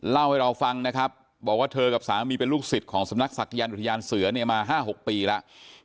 เล่าให้เราฟังนะครับบอกว่าเธอกับสามีเป็นลูกศิษย์ของสำนักศักดิ์อุทยานเสือเนี่ยมา๕๖ปีแล้ว